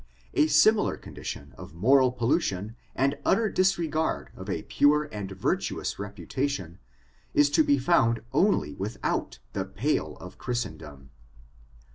A similar condition of moral poUutioa and utter disregard of a pure and virtuous reputa tion, is to be found onlj/ without the pale of Christen dom.''